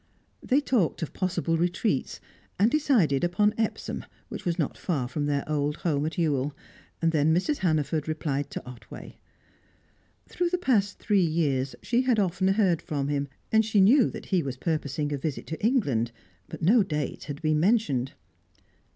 They talked of possible retreats, and decided upon Epsom, which was not far from their old home at Ewell; then Mrs. Hannaford replied to Otway. Through the past three years she had often heard from him, and she knew that he was purposing a visit to England, but no date had been mentioned.